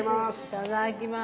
いただきます。